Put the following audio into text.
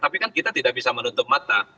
tapi kan kita tidak bisa menutup mata